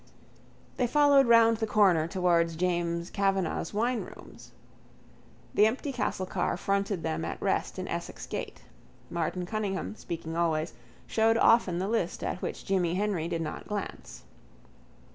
They followed round the corner towards James Kavanagh's winerooms. The empty castle car fronted them at rest in Essex gate. Martin Cunningham, speaking always, showed often the list at which Jimmy Henry did not glance.